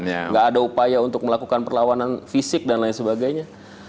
nggak ada upaya untuk melakukan perlawanan fisik dan lain sebagainya